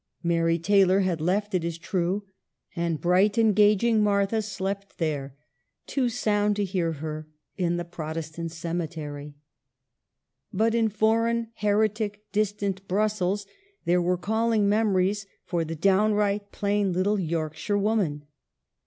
Mary Taylor had left, it is true, and bright, engaging Martha slept there, too sound to hear her, in the Protestant cemetery. But in foreign, heretic, distant Brussels there were calling memories for the downright, plain little Yorkshire woman.